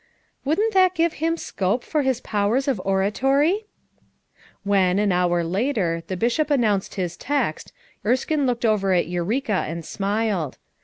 "Wouldn't that give him scope for his powers of oratory?" When, an hour later, the Bishop announced his text, Erskine looked over at Eureka and smiled.